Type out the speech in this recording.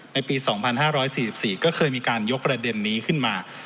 ในปี๒๕๔๔ก็เคยมีการยกประเด็นนี้ขึ้นมา